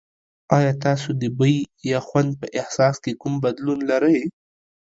ایا تاسو د بوی یا خوند په احساس کې کوم بدلون لرئ؟